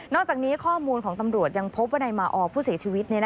อกจากนี้ข้อมูลของตำรวจยังพบว่านายมาออผู้เสียชีวิต